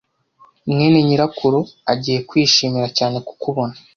mwene nyirakuru agiye kwishimira cyane kukubona.